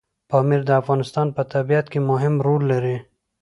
پامیر د افغانستان په طبیعت کې مهم رول لري.